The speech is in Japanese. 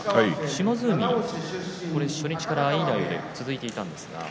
島津海初日からいい内容が続いていたんですが。